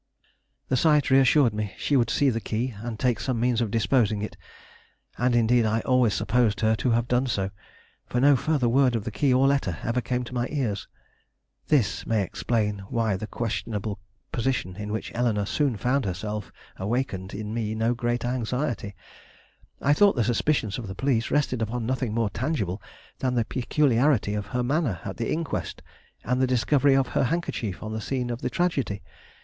The sight reassured me; she would see the key, and take some means of disposing of it; and indeed I always supposed her to have done so, for no further word of key or letter ever came to my ears. This may explain why the questionable position in which Eleanore soon found herself awakened in me no greater anxiety. I thought the suspicions of the police rested upon nothing more tangible than the peculiarity of her manner at the inquest and the discovery of her handkerchief on the scene of the tragedy.